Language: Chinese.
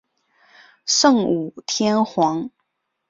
圣武天皇。